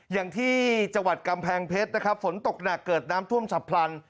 อย่างที่จังหวัดกำแพงเพชรนะครับฝนตกหนักเกิดน้ำท่วมฉับพลัน